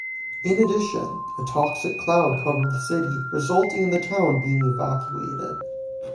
In addition, a toxic cloud covered the city resulting in the town being evacuated.